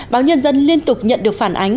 báo nhân dân liên tục nhận được phản ánh